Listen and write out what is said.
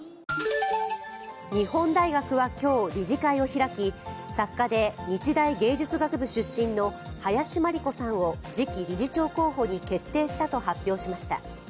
日本大学は今日、理事会を開き作家で日大芸術学部出身の林真理子さんを次期理事長候補に決定したと発表しました。